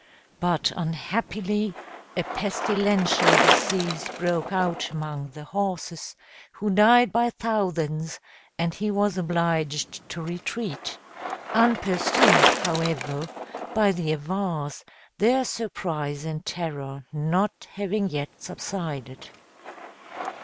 But unhappily a pestilential disease broke out among the horses, who died by thousands, and he was obliged to retreat, unpursued, however, by the Avars, their surprise and terror not having yet subsided.